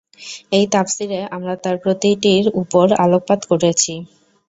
এই তাফসীরে আমরা তার প্রতিটির উপর আলোকপাত করেছি।